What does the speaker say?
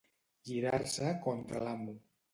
Girar-se contra l'amo.